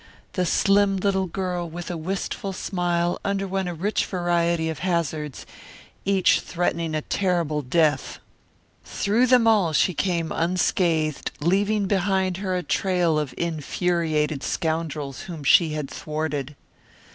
The slim little girl with a wistful smile underwent a rich variety of hazards, each threatening a terrible death. Through them all she came unscathed, leaving behind her a trail of infuriated scoundrels whom she had thwarted.